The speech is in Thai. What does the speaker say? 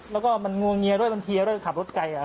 แล้วก็มันงวงเงียด้วยมันเพียด้วยขับรถไกลค่ะครับ